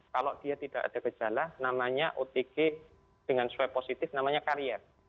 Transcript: kalau dia tidak ada gejala namanya otg dengan swab positif namanya karier